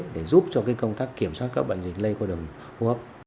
để giúp cho công tác kiểm soát các bệnh dịch lây qua đường hô hấp